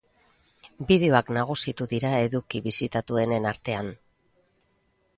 Bideoak nagusitu dira eduki bisitatuenen artean.